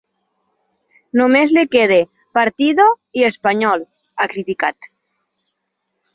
Només li queda “partido” i “español”, ha criticat.